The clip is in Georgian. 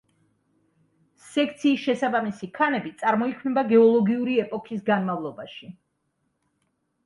სექციის შესაბამისი ქანები წარმოიქმნება გეოლოგიური ეპოქის განმავლობაში.